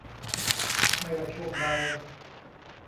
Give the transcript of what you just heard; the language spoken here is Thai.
ไม่ว่าช่วงใด